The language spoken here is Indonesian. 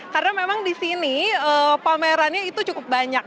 karena memang di sini pamerannya itu cukup banyak